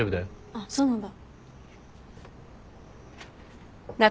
あっそうなんだ。